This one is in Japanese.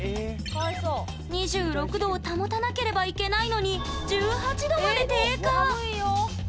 ２６度を保たなければいけないのに１８度まで低下。